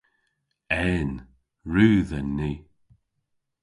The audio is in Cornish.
En. Rudh en ni.